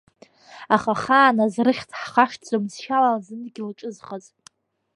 Аха ахааназ рыхьӡ ҳхашҭӡом зшьала зыдгьыл ҿызхыз.